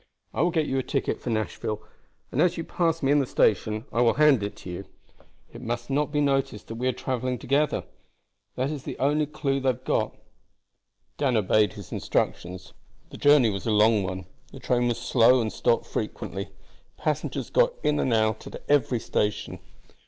I will get you a ticket for Nashville, and as you pass me in the station I will hand it to you. It must not be noticed that we are traveling together. That is the only clew they have got." Dan obeyed his instructions. The journey was a long one. The train was slow and stopped frequently; passengers got in and out at every station.